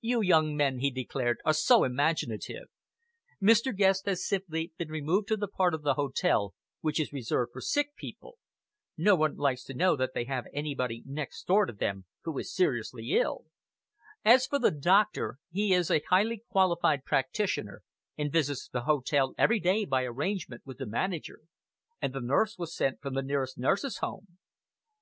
"You young men," he declared, "are so imaginative. Mr. Guest has simply been removed to the part of the hotel which is reserved for sick people. No one likes to know that they have anybody next door to them who is seriously ill. As for the doctor, he is a highly qualified practitioner, and visits the hotel every day by arrangement with the manager; and the nurse was sent from the nearest nurses' home."